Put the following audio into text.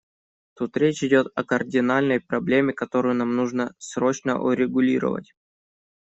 Тут речь идет о кардинальной проблеме, которую нам нужно срочно урегулировать.